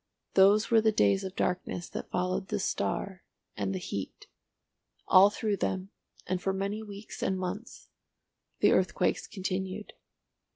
Those were the days of darkness that followed the star and the heat. All through them, and for many weeks and months, the earthquakes continued.